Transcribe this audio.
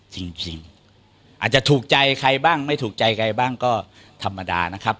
จริงอาจจะถูกใจใครบ้างไม่ถูกใจใครบ้างก็ธรรมดานะครับ